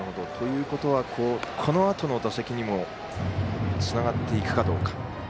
ということはこのあとの打席にもつながっていくかどうか。